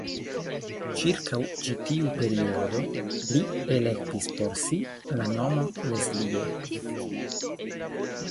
Ĉirkaŭ ĉi tiu periodo li elektis por si la nomon "Leslie".